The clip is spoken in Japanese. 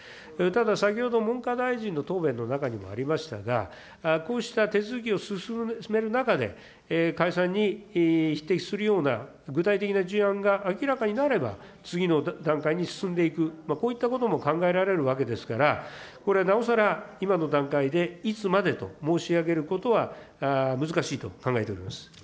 ただ、先ほど文科大臣の答弁の中にもありましたが、こうしたてつづきをすすめるなかで、解散に匹敵するような具体的な事案が明らかになれば、次の段階に進んでいく、こういったことも考えられるわけですから、これ、なおさら、今の段階でいつまでと申し上げることは難しいと考えております。